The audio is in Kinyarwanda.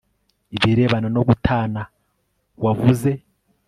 ibirebana no gutana wavuze